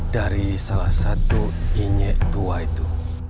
dari salah satu inyek tua itu